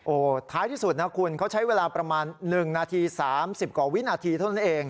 โอ้โหท้ายที่สุดนะคุณเขาใช้เวลาประมาณ๑นาที๓๐กว่าวินาทีเท่านั้นเอง